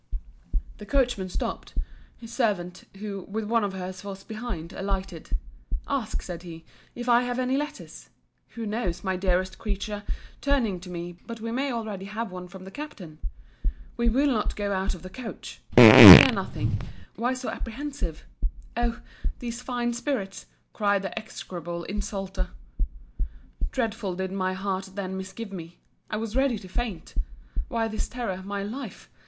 The coachman stopped: his servant, who, with one of her's was behind, alighted—Ask, said he, if I have any letters? Who knows, my dearest creature, turning to me, but we may already have one from the Captain?—We will not go out of the coach!—Fear nothing—Why so apprehensive?—Oh! these fine spirits!—cried the execrable insulter. Dreadfully did my heart then misgive me: I was ready to faint. Why this terror, my life?